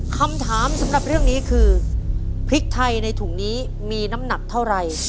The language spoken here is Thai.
คำถามสำหรับเรื่องนี้คือพริกไทยในถุงนี้มีน้ำหนักเท่าไหร่